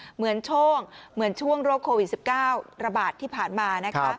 เหมือนช่วงโควิด๑๙ระบาดที่ผ่านมา